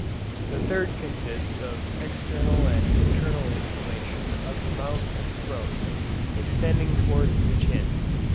The third consists of external and internal inflammation of the mouth and throat, extending towards the chin.